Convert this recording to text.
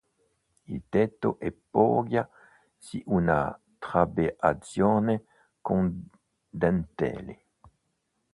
Il tetto è poggia su una trabeazione con dentelli.